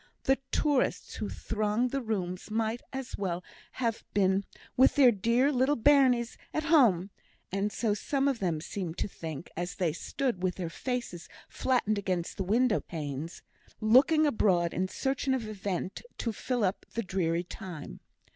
The tourists who thronged the rooms might as well have been "wi' their dear little bairnies at hame;" and so some of them seemed to think, as they stood, with their faces flattened against the window panes, looking abroad in search of an event to fill up the dreary time.